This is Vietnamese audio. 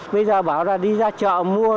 bây giờ bảo là đi ra chợ mua